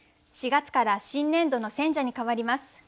４月から新年度の選者に替わります。